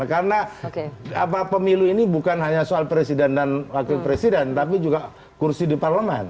karena pemilu ini bukan hanya soal presiden dan wakil presiden tapi juga kursi di parlemen